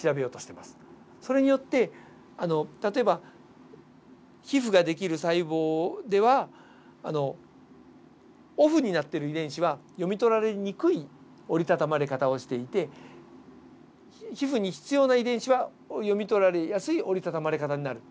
それによって例えば皮膚ができる細胞ではオフになっている遺伝子は読み取られにくい折りたたまれ方をしていて皮膚に必要な遺伝子は読み取られやすい折りたたまれ方になる。